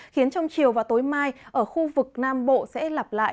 khiến trong chiều và tối mai ở khu vực nam bộ sẽ lặp lại